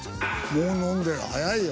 もう飲んでる早いよ。